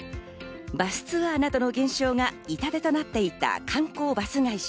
バスツアーなどの減少が痛手となっていた観光バス会社。